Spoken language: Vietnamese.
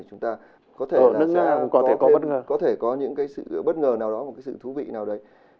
chúng ta có thể có những cái sự bất ngờ nào đó một cái sự thú vị nào đấy